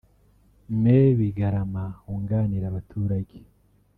Me Bigarama wunganira abaturage